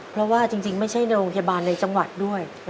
เพราะว่าจริงไม่ใช่โรงพยาบาลในจังหวัดด้วย